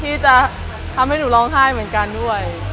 ที่จะทำให้หนูร้องไห้เหมือนกันด้วย